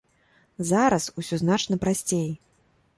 Зараз усё значна прасцей!